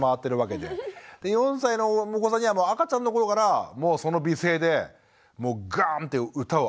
で４歳のお子さんには赤ちゃんのころからもうその美声でもうガーンって歌を浴びせてたんですか？